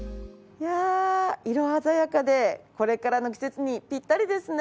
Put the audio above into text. いやあ色鮮やかでこれからの季節にぴったりですね。